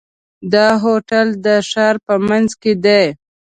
دا هوټل د ښار په منځ کې دی.